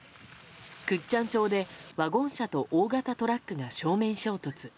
倶知安町でワゴン車と大型トラックが正面衝突。